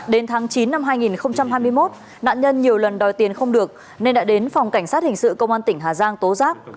đến tháng chín năm hai nghìn hai mươi một nạn nhân nhiều lần đòi tiền không được nên đã đến phòng cảnh sát hình sự công an tỉnh hà giang tố giác